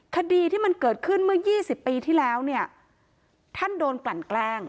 คดีที่มันเกิดขึ้นเมื่อ๒๐ปีที่แล้วเนี่ยท่านโดนกลั่นแกล้ง